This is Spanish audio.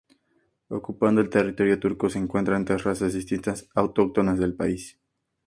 Ocupando el territorio turco se encuentran tres razas distintas autóctonas del país.